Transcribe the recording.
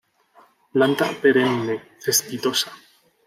Planta perenne, cespitosa.